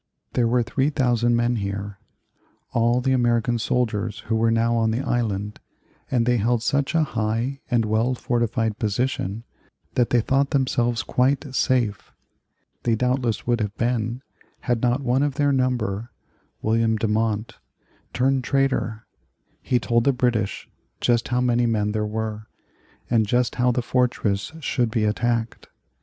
There were 3,000 men here, all the American soldiers who were now on the island, and they held such a high and well fortified position that they thought themselves quite safe. They doubtless would have been had not one of their number, William Demont, turned traitor. He told the British just how many men there were, and just how the fortress should be attacked.